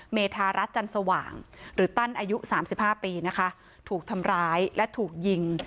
เมธารัฐจันสว่างหรือตั้นอายุสามสิบห้าปีนะคะถูกทำร้ายและถูกยิง